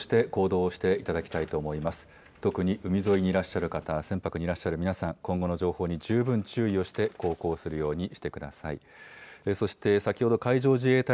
念のため、特に海沿いにいらっしゃる方、船舶にいらっしゃる皆さん、今後の情報に十分注意をして航行するようにしてください。